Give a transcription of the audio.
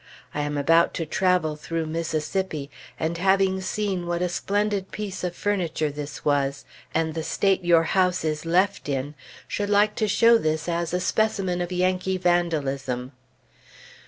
I am about to travel through Mississippi, and having seen what a splendid piece of furniture this was, and the state your house is left in, should like to show this as a specimen of Yankee vandalism."